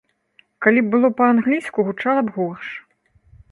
Калі б было па-англійску, гучала б горш.